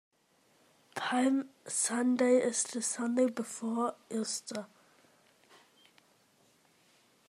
Palm Sunday is the Sunday before Easter.